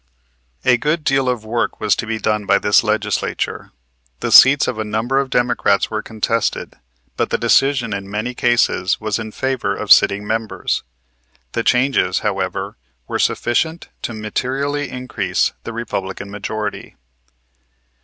A good deal of work was to be done by this Legislature. The seats of a number of Democrats were contested. But the decision in many cases was in favor of the sitting members. The changes, however, were sufficient to materially increase the Republican majority.